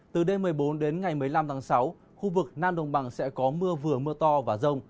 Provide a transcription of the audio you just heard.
từ đêm một mươi bốn đến ngày một mươi năm tháng sáu khu vực nam đồng bằng sẽ có mưa vừa mưa to và rông